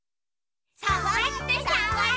「さわってさわって」